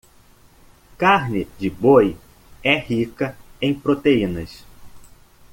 Carne de boi é rica em proteínas.